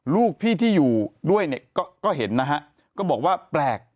ลูกพี่ที่อยู่ด้วยเนี่ยก็เห็นนะฮะก็บอกว่าแปลก